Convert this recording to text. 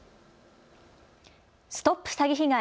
ＳＴＯＰ詐欺被害！